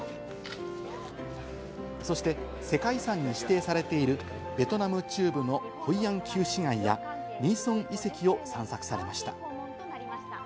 そして、世界遺産に指定されているベトナム中部のホイアン旧市街やミーソン遺跡を散策されました。